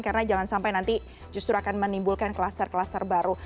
karena jangan sampai nanti justru akan menimbulkan kluster kluster baru